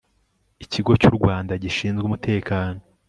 ikigo cyurwanda gishinzwe umutekano